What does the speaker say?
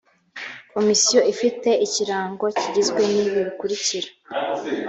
komisiyo ifite ikirango kigizwe n ibi bikurikira